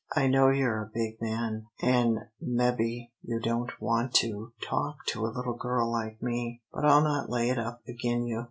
I know you're a big man, an' mebbe you don't want to talk to a little girl like me, but I'll not lay it up agin you.